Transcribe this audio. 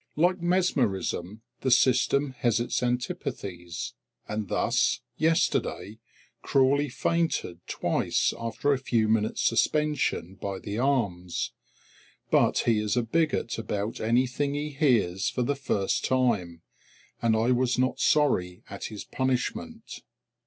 Like mesmerism, the system has its antipathies; and thus yesterday Crawley fainted twice after a few minutes' suspension by the arms. But he is a bigot about anything he hears for the first time, and I was not sorry at his punishment.